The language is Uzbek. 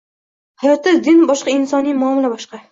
Hayotda din boshqa insoniy muomila boshqa.